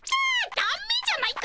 だめじゃないか！